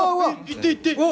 行って行って！